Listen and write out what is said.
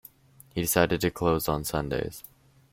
He decided to close on Sundays.